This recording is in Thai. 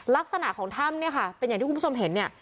ลักษณะของถ้ำเนี่ยค่ะเป็นอย่างที่คุณผู้ชมเห็นเนี่ย